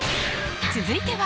続いては